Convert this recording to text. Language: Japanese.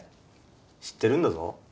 知ってるんだぞ。